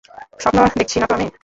স্বপ্ন দেখছি নাতো আমি?